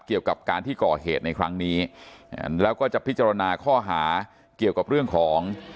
เกี่ยวกับการที่ก่อเหตุในครั้งนี้แล้วก็จะพิจารณาข้อหาเกี่ยวกับเรื่องของ